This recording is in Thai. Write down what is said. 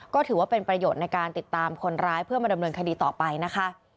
ก็ถือว่าเป็นประโยชน์ในการติดตามคนร้ายเพื่อมาดำเนินคดีต่อไปนะคะ